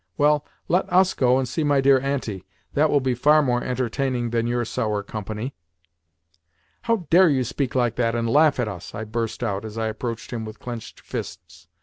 Well, let US go and see my dear Auntie. That will be far more entertaining than your sour company." "How dare you speak like that, and laugh at us?" I burst out as I approached him with clenched fists.